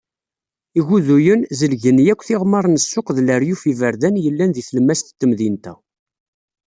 Iguduyen, zelgen yakk tiɣmar n ssuq d leryuf n yiberdan yellan deg tlemmast n temdint-a.